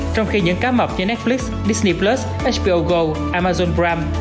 trong khi những cá mập như netflix disney plus hbo go amazon prime